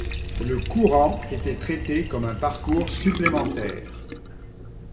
Le courant était traité comme un parcours supplémentaire.